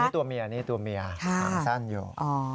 นี่ตัวเมียตัวเมียขังสั้นอยู่